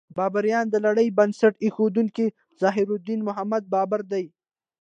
بابریان: د لړۍ بنسټ ایښودونکی ظهیرالدین محمد بابر دی.